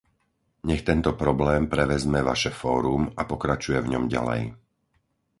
Nech tento problém prevezme vaše fórum a pokračuje v ňom ďalej.